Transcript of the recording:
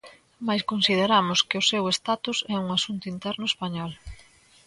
Mais consideramos que o seu status é un asunto interno español.